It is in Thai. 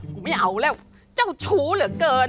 ไม่เอาแล้วเจ้าชู้เหลือเกิน